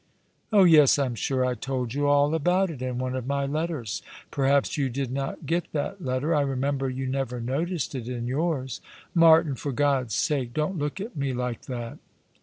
" Oh yes ; I'm sure I told you all about it in one of my letters. Perhaps you did not get that letter — I remember you never noticed it in yours. Martin, for God's sake, don't look at me like that